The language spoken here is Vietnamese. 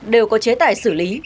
đều có chế tài xử lý